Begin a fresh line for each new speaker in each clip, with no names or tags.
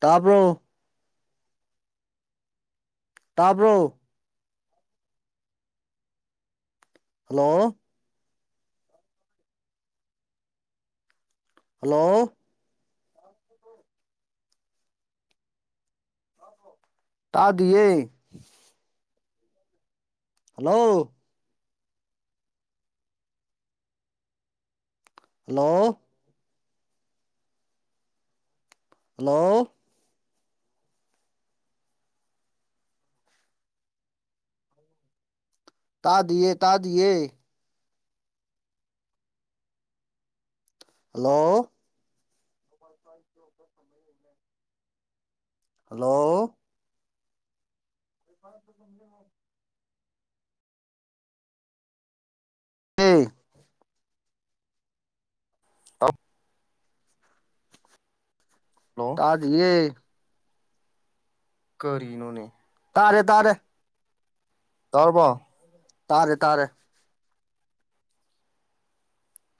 ꯇꯥꯕ꯭ꯔꯣ ꯇꯥꯕ꯭ꯔꯣ hello hello ꯇꯥꯗꯤꯌꯦ ꯍꯜꯂꯣ ꯍꯜꯂꯣ ꯍꯜꯂꯣ ꯇꯥꯗꯤꯌꯦ ꯇꯥꯗꯤꯌꯦ ꯍꯜꯂꯣ ꯂꯩꯦ [inaudible] [unintelligible] ꯍꯜꯂꯣ ꯐꯔ [unintelligible] [inaudible] ꯍꯝ
ꯇꯞ [unintelligible] ꯍꯜꯂꯣ
ꯑꯗ ꯌꯦꯦ [unintelligible]
ꯀꯔꯤꯅꯣꯅꯦ
ꯇꯥꯔꯦ ꯇꯥꯔꯦ
ꯇꯔꯕꯣ
ꯇꯥꯔꯦ ꯇꯥꯔꯦ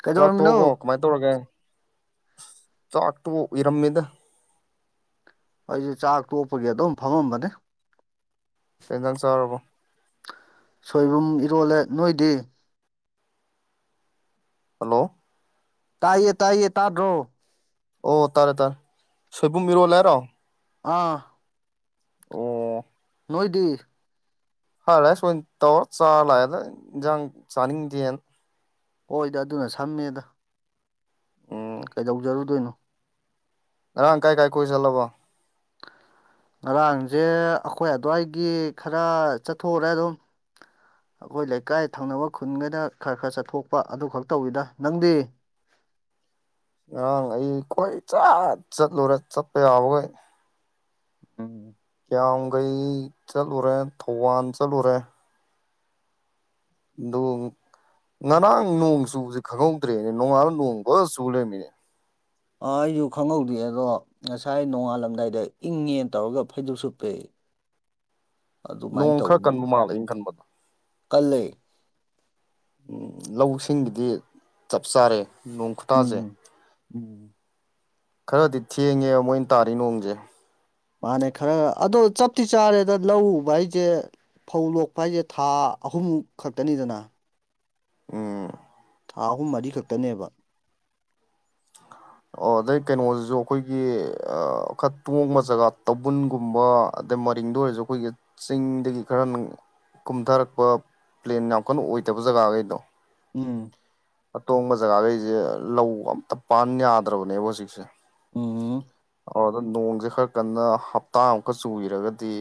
ꯀꯩꯗꯧꯔꯝꯃꯤꯅꯣ
ꯆꯥꯛꯇꯣꯕꯣ ꯀꯃꯥꯏꯅ ꯇꯧꯔꯒꯦ ꯆꯥꯛꯇꯣ ꯎꯏꯔꯝꯃꯦꯗ
ꯑꯩꯁꯦ ꯆꯥꯛ ꯇꯣꯛꯄꯒꯤ ꯑꯗꯨꯝ ꯐꯝꯃꯝꯕꯅꯦ
ꯌꯦꯟꯖꯥꯡ ꯆ ꯆꯥꯎꯔꯕꯣ
ꯁꯣꯏꯕꯨꯝ ꯏꯔꯣꯜꯂꯦ ꯅꯣꯏꯗꯤ
ꯍꯜꯂꯣ
ꯇꯥꯏꯌꯦ ꯇꯥꯏꯌꯦ ꯇꯥꯗ꯭ꯔꯣ
ꯑꯣ ꯇꯥꯔꯦ ꯇꯥꯔꯦ ꯁꯣꯏꯕꯨꯝ ꯃꯤꯔꯣꯜ ꯂꯩ ꯍꯥꯏꯔꯣ
ꯑꯥ
ꯑꯣ
ꯅꯣꯏꯗꯤ
ꯍꯣꯂꯤꯛꯁ ꯑꯣꯏ ꯇꯧꯔ ꯆꯥꯔ ꯂꯥꯛꯑꯦꯅ ꯏꯟꯁꯥꯡ ꯆꯥꯅꯤꯡꯗꯦꯅ
ꯍꯣꯏꯗꯤ ꯑꯗꯨꯅ ꯁꯝꯃꯦꯗ
ꯎꯝ
ꯀꯩꯗꯧꯖꯔꯨꯗꯣꯏꯅꯣ
ꯉꯔꯥꯡ ꯀꯥꯏ ꯀꯥꯏ ꯀꯨꯣꯏꯁꯤꯜꯂꯕꯣ
ꯉꯔꯥꯡꯁꯦ ꯑꯩꯈꯣꯏ ꯑꯗꯨꯋꯥꯏꯒꯤ ꯈꯔ ꯆꯠꯊꯣꯛꯎꯔꯦ ꯑꯗꯨꯝ ꯑꯩꯈꯣꯏ ꯂꯩꯀꯥꯏ ꯊꯪꯅꯕ ꯈꯨꯟꯒꯗ ꯈꯔ ꯈꯔ ꯆꯠꯊꯣꯛꯄ ꯑꯗꯨ ꯈꯛ ꯇꯧꯋꯤꯗ ꯅꯪꯗꯤ
ꯉꯔꯥꯡ ꯑꯩ ꯈꯣꯏ ꯆꯠ ꯆꯠꯂꯨꯔꯦ ꯆꯠꯄ ꯌꯥꯕꯈꯩ
ꯎꯝ
ꯌꯥꯝꯌꯥꯝꯈꯩ ꯆꯠꯂꯨꯔꯦ ꯊꯧꯕꯥꯜ ꯆꯠꯂꯨꯔꯦ ꯑꯗꯣ ꯉꯔꯥꯡ ꯅꯣꯡ ꯆꯨꯕꯁꯦ ꯈꯪꯍꯧꯗ꯭ꯔꯦꯅꯦ ꯅꯣꯡꯉꯥꯜꯂ ꯅꯣꯡ ꯐ ꯆꯨ ꯂꯩꯃꯤꯅꯦ
ꯑ ꯑꯩꯁꯨ ꯈꯪꯍꯧꯗꯦ ꯑꯗꯣ ꯉꯁꯥꯏ ꯅꯣꯡꯉꯥꯜꯂꯝꯗꯥꯏꯗ ꯏꯪꯉꯦꯅ ꯇꯧꯔꯒ ꯐꯩꯖꯨꯞ ꯁꯨꯞꯄ ꯑꯗꯨꯃꯥꯏꯅ
ꯅꯣꯡ
ꯇꯧ
ꯈꯔ ꯀꯟꯕ ꯃꯥꯜꯂꯦ ꯑꯩꯅ ꯈꯟꯕꯗ
ꯀꯜꯂꯦ
ꯎꯝ ꯂꯧꯁꯤꯡꯒꯤꯗꯤ ꯆꯞ ꯆꯥꯔꯦ ꯅꯣꯡ ꯈꯨꯇꯥꯥꯁꯦ
ꯎꯝ ꯎꯝ
ꯈꯔꯗꯤ ꯊꯦꯡꯉꯦꯕ ꯃꯣꯏꯅ ꯇꯥꯔꯤ ꯅꯣꯡꯁꯦ
ꯃꯥꯅꯦ ꯈꯔ ꯑꯗꯣ ꯆꯞꯇꯤ ꯆꯥꯔꯦꯗ ꯂꯧ ꯎꯕ ꯍꯥꯏꯁꯦ ꯐꯧ ꯂꯣꯛꯄ ꯍꯥꯏꯁꯦ ꯊꯥ ꯑꯍꯨꯝꯃꯨꯛ ꯈꯛꯇꯅꯤꯗꯅ
ꯎꯝ
ꯊꯥ ꯑꯍꯨꯝ ꯃꯔꯤꯈꯛꯇꯅꯦꯕ
ꯑꯣ ꯑꯗꯩ ꯀꯩꯅꯣꯁꯤꯁꯨ ꯑꯩꯈꯣꯏꯒꯤ ꯈꯔ ꯇꯣꯡꯕ ꯖꯒꯥ ꯇꯧꯕꯟꯒꯨꯝꯕ ꯑꯗꯩ ꯃꯔꯤꯡꯗ ꯑꯣꯏꯔꯁꯨ ꯑꯩꯈꯣꯏꯒꯤ ꯆꯤꯡꯗꯒꯤ ꯈꯔ ꯀꯨꯝꯊꯔꯛꯄ ꯄ꯭ꯂꯦꯟ ꯌꯥꯝ ꯀꯟꯅ ꯑꯣꯏꯗꯕ ꯖꯒꯥꯈꯩꯗꯣ
ꯎꯝ
ꯑꯇꯣꯡꯕ ꯖꯒꯥꯈꯩꯁꯦ ꯂꯧ ꯑꯝꯇ ꯄꯥꯟ ꯌꯥꯗ꯭ꯔꯕꯅꯦꯕ ꯍꯧꯖꯤꯛꯁꯦ
ꯎꯝ
ꯑꯣꯗ ꯅꯣꯡꯁꯦ ꯈꯔ ꯀꯟꯅ ꯍꯞꯇꯥ ꯑꯃꯨꯛꯀ ꯆꯨꯕꯤꯔꯒꯗꯤ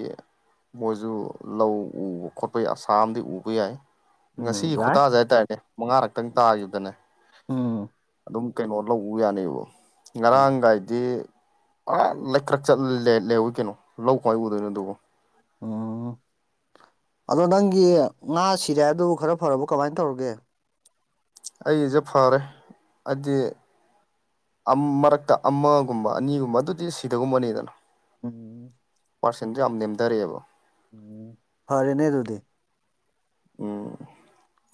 ꯃꯣꯏꯁꯨ ꯂꯧ ꯎꯕ ꯈꯣꯠꯄ ꯑꯁꯥ ꯑꯃꯗꯤ ꯎꯕ ꯌꯥꯏ
ꯎꯝ
ꯉꯁꯤꯒꯤ
ꯌꯥꯏ
ꯈꯨꯇꯥꯥꯁꯦ ꯍꯥꯏꯇꯥꯔꯅꯦ ꯃꯉꯥꯔꯛꯇꯪ ꯇꯥꯈꯤꯕꯗꯅꯦ
ꯎꯝ
ꯑꯗꯨꯝ ꯀꯩꯅꯣ ꯂꯧꯕ ꯌꯥꯅꯤꯕ
ꯎꯝ
ꯉꯔꯥꯡꯒꯥꯏꯗꯤ ꯑ ꯂꯩꯀ꯭ꯔꯛ ꯆꯠ ꯂꯩꯎꯏ ꯀꯩꯅꯣ ꯂꯧ ꯀ꯭ꯋꯥꯏ ꯎꯗꯣꯏꯅꯣ ꯑꯗꯨꯕꯨ
[unintelligible] ꯑꯗꯣ ꯅꯪꯒꯤ ꯉꯥ ꯁꯤꯔꯦ ꯍꯥꯏꯕꯗꯨ ꯈꯔ ꯐꯔꯕ ꯀꯃꯥꯏꯅ ꯇꯧꯔꯒꯦ
ꯑꯩꯒꯤꯁꯦ ꯐꯔꯦ ꯍꯥꯏꯗꯤ ꯃꯔꯛꯇ ꯑꯃꯒꯨꯝꯕ ꯑꯅꯤꯒꯨꯝꯕ ꯑꯗꯨꯗꯤ ꯁꯤꯗꯒꯨꯝꯕꯅꯤꯗꯅ
ꯎꯝ
ꯄꯥꯔꯁꯦꯟꯁꯨ ꯌꯥꯝ ꯅꯦꯝꯊꯔꯛꯑꯦꯕ
ꯎꯝ ꯐꯔꯦꯅꯦ ꯑꯗꯨꯗꯤ [inaudible]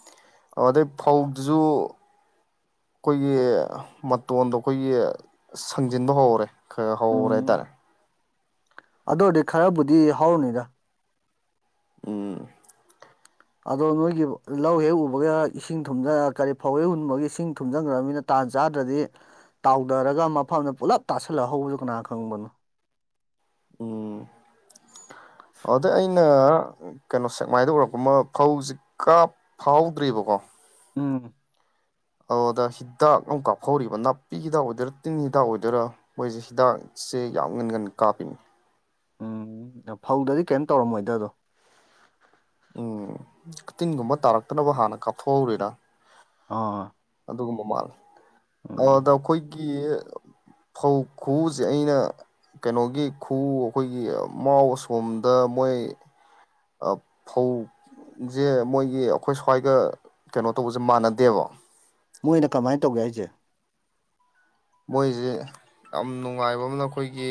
ꯑꯣ ꯑꯗꯩ ꯐꯧꯗꯨꯁꯨ ꯑꯩꯈꯣꯏꯒꯤ ꯃꯇꯣꯟꯗ ꯑꯩꯈꯣꯏꯒꯤ ꯁꯪꯖꯤꯟꯕ ꯍꯧꯔꯦ ꯈ ꯍꯧꯔꯦ
ꯎꯝ
ꯍꯥꯏꯇꯥꯔꯦ
ꯑꯗꯨ ꯑꯣꯏꯔꯗꯤ ꯈꯔꯕꯨꯗꯤ ꯍꯧꯔꯅꯤꯗ
ꯎꯝ
ꯑꯗꯣ ꯅꯣꯏꯒꯤ ꯂꯧ ꯍꯦꯛ ꯎꯕꯒ ꯏꯁꯤꯡ ꯊꯨꯝꯒ ꯀꯔꯤ ꯐꯧ ꯍꯦꯛ ꯍꯨꯟꯕꯒ ꯏꯁꯤꯡ ꯊꯨꯝꯖꯤꯟꯈ꯭ꯔꯕꯃꯤꯅ ꯇꯥꯟ ꯆꯥꯗ꯭ꯔꯗꯤ ꯇꯥꯎꯗꯔꯒ ꯃꯐꯝꯗ ꯄꯨꯂꯞ ꯇꯥꯁꯜꯂꯛꯍꯧꯕꯁꯨ ꯀꯅꯥ ꯈꯪꯕꯅꯣ
ꯎꯝ ꯑꯗꯨꯗ ꯑꯩꯅ ꯀꯩꯅꯣ ꯁꯦꯛꯃꯥꯏꯗ ꯎꯔꯛꯄ ꯑꯃ ꯐꯧꯁꯤ ꯀꯥꯞ ꯐꯥꯍꯧꯗ꯭ꯔꯤꯕꯀꯣ
ꯎꯝ
ꯑꯗ ꯍꯤꯗꯥꯛ ꯑꯃꯛ ꯀꯥꯞꯍꯧꯔꯤꯕ ꯅꯥꯄꯤ ꯍꯤꯗꯥꯛ ꯑꯣꯏꯗꯣꯏꯔꯥ ꯇꯤꯟ ꯍꯤꯗꯥꯛ ꯑꯣꯏꯗꯣꯏꯔꯥ ꯃꯣꯏꯁꯦ ꯍꯤꯗꯥꯛꯁꯦ ꯌꯥꯝ ꯉꯟ ꯉꯟ ꯀꯥꯞꯄꯤꯅꯤ
ꯎꯝ ꯐꯧꯗꯗꯤ ꯀꯩꯝ ꯇꯧꯔꯝꯃꯣꯏꯗ ꯑꯗꯣ
ꯎꯝ ꯀꯇꯤꯟꯒꯨꯝꯕ ꯇꯥꯔꯛꯇꯅꯕ ꯍꯥꯟꯅ ꯀꯥꯞꯊꯣꯛꯍꯧꯔꯤꯔ
ꯑꯣ
ꯑꯗꯨꯒꯨꯝꯕ ꯃꯥꯜꯂꯤ ꯑꯗꯥ ꯑꯩꯈꯣꯏꯒꯤ ꯐꯧ ꯈꯨꯎꯁꯦ ꯑꯩꯅ ꯀꯩꯅꯣꯒꯤ ꯈꯨꯎ ꯑꯩꯈꯣꯏꯒꯤ ꯃꯥꯎ ꯑꯁꯣꯝꯗ ꯃꯣꯏ ꯐꯧꯁꯦ ꯃꯣꯏꯒꯤ ꯑꯩꯈꯣꯏ ꯁ꯭ꯋꯥꯏꯒ ꯀꯩꯅꯣ ꯇꯧꯕꯁꯦ ꯃꯥꯟꯅꯗꯦꯕ
ꯃꯣꯏꯅ ꯀꯃꯥꯏꯅ ꯇꯧꯒꯦ ꯍꯥꯏꯁꯦ
ꯃꯣꯏꯁꯦ ꯌꯥꯝ ꯅꯨꯡꯉꯥꯏꯕ ꯑꯃꯅ ꯑꯩꯈꯣꯏꯒꯤ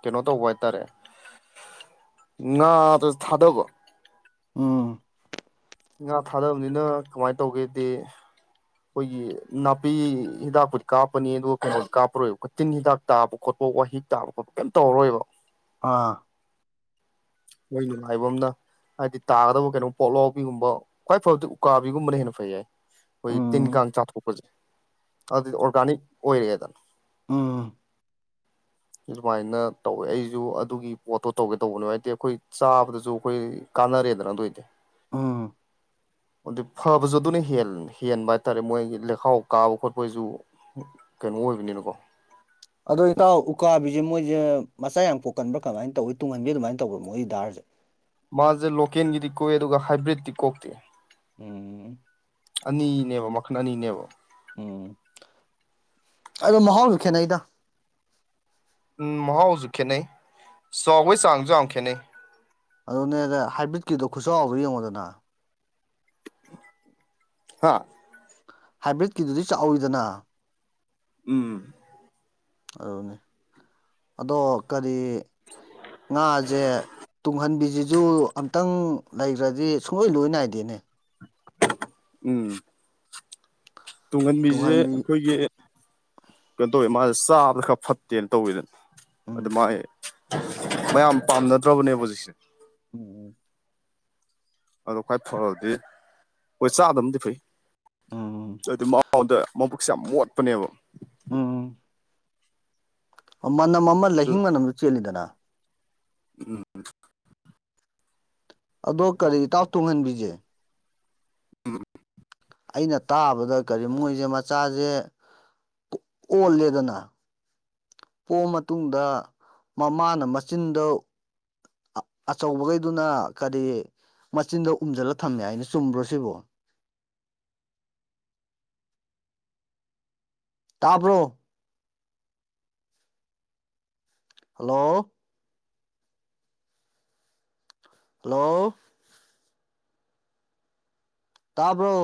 ꯀꯩꯅꯣ ꯇꯧꯕ ꯍꯥꯏꯇꯥꯔꯦ ꯉꯥꯗꯨ ꯊꯥꯗꯒꯣ
ꯑꯝ
ꯉꯥ ꯊꯥꯗꯕꯅꯤꯅ ꯀꯃꯥꯏ ꯇꯧꯒꯦꯗꯤ ꯑꯩꯈꯣꯏꯒꯤ ꯅꯥꯄꯤ ꯍꯤꯗꯥꯛꯄꯨꯗꯤ ꯀꯥꯞꯄꯀꯅꯤ ꯑꯗꯨꯒ ꯀꯩꯅꯣꯗꯤ ꯀꯥꯞꯄꯥꯔꯣꯏꯕꯀꯣ ꯇꯤꯟ ꯍꯤꯗꯥꯛ ꯇꯥꯕ ꯈꯣꯠꯄ ꯋꯥꯍꯤꯛ ꯇꯥꯕ ꯈꯣꯠꯄ ꯀꯩꯝ ꯇꯧꯔꯔꯣꯏꯕ
ꯑ
ꯃꯣꯏ ꯅꯨꯡꯉꯥꯏꯕ ꯑꯝꯅ ꯍꯥꯏꯗꯤ ꯇꯥꯒꯗꯕ ꯀꯩꯅꯣ ꯄꯣꯛꯂꯥꯎꯕꯤꯒꯨꯝꯕ ꯈ꯭ꯋꯥꯏ ꯐꯕꯗꯤ ꯎꯀꯥꯕꯤꯒꯨꯝꯕꯅ ꯍꯦꯟꯅ ꯐꯩꯌꯦ ꯑꯩꯈꯣꯏ
ꯎꯝ
ꯇꯤꯟꯀꯥꯡ ꯆꯥꯊꯣꯛꯄꯁꯦ ꯑꯗꯨ ꯑꯣꯔꯒꯥꯅꯤꯛ ꯑꯣꯏꯔꯦꯗꯅ
ꯎꯝ
ꯑꯗꯨꯃꯥꯏꯅ ꯇꯧꯋꯦ ꯑꯩꯁꯨ ꯑꯗꯨꯒꯤ ꯄꯣꯠꯇꯣ ꯇꯧꯒꯦ ꯇꯧꯕꯗꯨ ꯍꯩꯇꯦ ꯑꯩꯈꯣꯏ ꯆꯥꯕꯗꯁꯨ ꯑꯩꯈꯣꯏ ꯀꯥꯟꯅꯔꯦꯗꯅ ꯑꯗꯣꯢꯗꯤ
ꯎꯝ
ꯑꯗꯨ ꯐꯕꯁꯨ ꯑꯗꯨꯅ ꯍꯦꯟꯕ ꯍꯥꯏꯇꯥꯔꯦ ꯃꯣꯏꯒꯤ ꯂꯩꯈꯥꯎ ꯀꯥꯕ ꯈꯣꯠꯄꯒꯤꯁꯨ ꯀꯩꯅꯣ ꯑꯣꯏꯕꯅꯤꯅꯀꯣ
ꯑꯗꯣ ꯏꯇꯥꯎ ꯎꯀꯥꯕꯤꯁꯦ ꯃꯣꯏꯁꯦ ꯃꯆꯥ ꯌꯥꯝ ꯄꯣꯛꯀꯟꯕ꯭ꯔꯥ ꯀꯃꯥꯏꯅ ꯇꯧꯋꯤ ꯇꯨꯡꯍꯟꯕꯤ ꯑꯗꯨꯃꯥꯏꯅ ꯇꯧꯕ꯭ꯔꯥ ꯃꯣꯏꯒꯤ ꯗꯥꯔꯁꯦ
ꯃꯥꯁꯦ ꯂꯣꯀꯦꯜꯒꯤꯗꯤ ꯀꯣꯛꯑꯦ ꯑꯗꯨꯒ ꯍꯥꯏꯕ꯭ꯔꯤꯠꯇꯤ ꯀꯣꯛꯇꯦ
ꯑꯝ
ꯑꯅꯤꯅꯦꯕ ꯃꯈꯟ ꯑꯅꯤꯅꯦꯕ
ꯎꯝ ꯑꯗꯣ ꯃꯍꯥꯎꯁꯨ ꯈꯦꯠꯅꯩꯗ
ꯎꯝ ꯃꯍꯥꯎꯁꯨ ꯈꯦꯠꯅꯩ ꯆꯥꯎꯕꯩ ꯆꯥꯡꯁꯨ ꯌꯥꯝ ꯈꯦꯠꯅꯩ
ꯑꯗꯨꯅꯦꯗ ꯍꯥꯏꯕ꯭ꯔꯤꯠꯀꯤꯗꯣ ꯈꯨꯠꯆꯥꯎꯗꯣ ꯌꯦꯡꯉꯣꯗꯅ
ꯍꯥꯥ
ꯍꯥꯏꯕ꯭ꯔꯤꯠꯀꯤꯗꯨꯗꯤ ꯆꯥꯎꯏꯗꯅ
ꯎꯝ
ꯑꯗꯨꯅꯦ ꯑꯗꯣ ꯀꯔꯤ ꯉꯥꯌꯦ ꯇꯨꯡꯍꯟꯕꯤꯖꯤꯁꯖꯨ ꯑꯝꯇꯪ ꯂꯩꯒ꯭ꯔꯗꯤ ꯁꯨꯡꯂꯣꯏ ꯂꯣꯏ ꯅꯥꯏꯗꯦꯅꯦ
ꯎꯝ ꯇꯨꯡꯍꯟꯕꯤꯖ
ꯇꯨꯡꯍꯟꯕꯤ
ꯑꯩꯈꯣꯏꯒꯤ ꯀꯩꯅꯣ ꯇꯧꯋꯦ ꯃꯥꯖꯦ ꯆꯥꯕꯗ ꯈꯔ ꯐꯠꯇꯦꯅ ꯇꯧꯋꯤꯗꯅ ꯑꯗꯨ ꯃꯥꯏ
ꯎꯝ
ꯃꯌꯥꯝ ꯄꯥꯝꯅꯗ꯭ꯔꯕꯅꯦꯕ ꯍꯧꯖꯤꯛꯁꯦ
ꯎꯝ ꯎꯝ
ꯑꯗꯣ ꯈ꯭ꯋꯥꯏ ꯐꯕꯗꯤ ꯍꯣꯏ ꯆꯥꯗꯕꯅꯗꯤ ꯐꯩ
ꯎꯝ
ꯑꯗꯨ ꯃꯖꯦ ꯃꯕꯨꯛꯁꯦ ꯌꯥꯝ ꯃꯣꯠꯄꯅꯦꯕ
ꯎꯝ ꯃꯅꯝ ꯑꯃ ꯂꯩꯍꯤꯡ ꯃꯅꯝꯗ ꯆꯦꯜꯂꯤꯗꯅ
ꯎꯝ
ꯑꯗꯣ ꯀꯔꯤ ꯏꯇꯥꯎ ꯇꯨꯡꯍꯟꯕꯤꯖꯦ
ꯎꯝ
ꯑꯩꯅ ꯇꯥꯕꯗ ꯀꯔꯤ ꯃꯣꯏꯖꯦ ꯃꯆꯥꯖꯦ ꯑꯣꯜꯂꯦꯗꯅ ꯄꯣꯛꯑ ꯃꯇꯨꯡꯗ ꯃꯃꯥꯅ ꯃꯆꯤꯟꯗ ꯑ ꯑꯆꯧꯕꯒꯩꯗꯨꯅ ꯀꯔꯤ ꯃꯆꯤꯟꯗ ꯎꯝꯖꯜꯂ ꯊꯝꯃꯦ ꯍꯥꯏꯖꯦ ꯆꯨꯝꯕ꯭ꯔꯣ ꯁꯤꯕꯣ ꯇꯥꯕ꯭ꯔꯣ ꯍꯜꯂꯣ ꯍꯜꯂꯣ ꯇꯥꯕ꯭ꯔꯣ